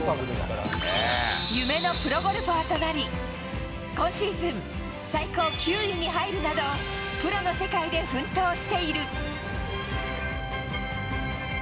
夢のプロゴルファーとなり、今シーズン、最高９位に入るなど、プロの世界で奮闘している。